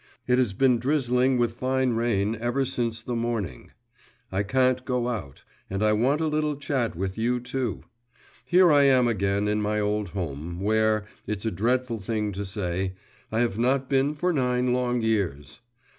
It has been drizzling with fine rain ever since the morning; I can't go out; and I want a little chat with you, too. Here I am again in my old home, where it's a dreadful thing to say I have not been for nine long years.